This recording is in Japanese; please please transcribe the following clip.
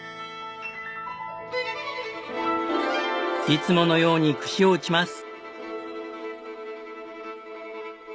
いつものように串を打ちます。